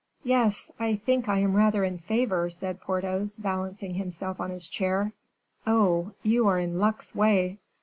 "Yes; I think I am rather in favor," said Porthos, balancing himself on his chair. "Oh! you are in luck's way."